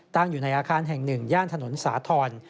ตั้งอยู่ในอาคารแห่ง๑ย่านถนนสาธอน